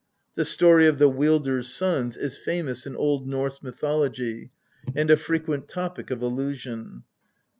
The story of the Wielder's sons is famous in Old Norse mythology, and a frequent topic of allusion.